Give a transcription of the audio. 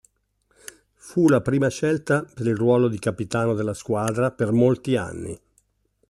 Fu la prima scelta per il ruolo di capitano della squadra per molti anni.